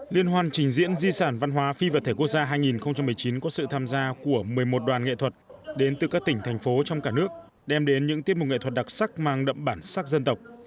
liên hoàn trình diễn di sản văn hóa phi vật thể quốc gia hai nghìn một mươi chín có sự tham gia của một mươi một đoàn nghệ thuật đến từ các tỉnh thành phố trong cả nước đem đến những tiết mục nghệ thuật đặc sắc mang đậm bản sắc dân tộc